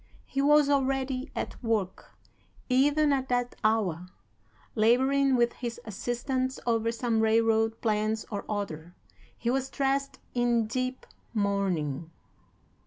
He was already at work, even at that hour, laboring with his assistants over some railroad plans or other. He was dressed in deep mourning.